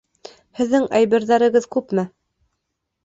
Һеҙҙең әйберҙәрегеҙ күпме?